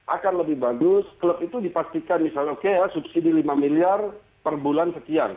akan lebih bagus klub itu dipastikan misalnya oke ya subsidi lima miliar per bulan sekian